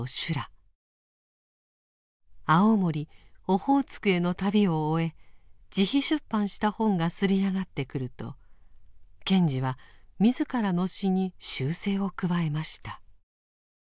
青森オホーツクへの旅を終え自費出版した本が刷り上がってくると賢治は自らの詩に修正を加えました。